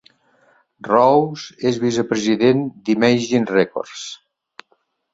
Rose és vicepresident d'Imagen Records.